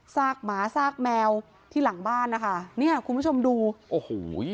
กหมาซากแมวที่หลังบ้านนะคะเนี่ยคุณผู้ชมดูโอ้โห